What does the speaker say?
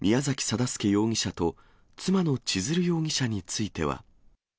定助容疑者と妻の千鶴容疑者については。